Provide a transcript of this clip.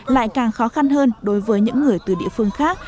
lại càng khó khăn hơn đối với những người từ địa phương khác